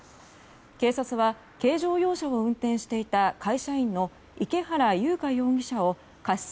警察は、軽乗用車を運転していた会社員の池原優香容疑者を過失